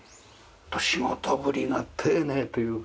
仕事ぶりが丁寧というか。